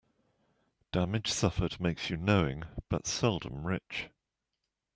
Damage suffered makes you knowing, but seldom rich.